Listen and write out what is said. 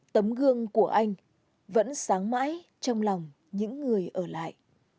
tấm gương của anh vẫn sáng mãi trong lòng những người ở lại